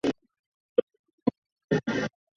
异囊地蛛为地蛛科地蛛属的动物。